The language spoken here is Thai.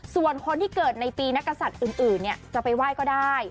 ส่วนคนที่เกิดในปีนักศัตริย์อื่นจะไปไหว้ก็ได้